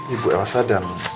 ibu elsa dan